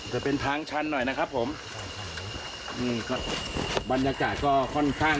จะเป็นทางชันหน่อยนะครับผมนี่ครับบรรยากาศก็ค่อนข้าง